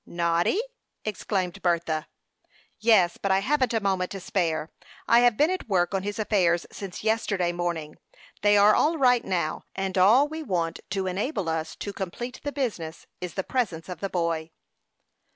"Noddy?" exclaimed Bertha. "Yes; but I haven't a moment to spare. I have been at work on his affairs since yesterday morning. They are all right now; and all we want to enable us to complete the business is the presence of the boy."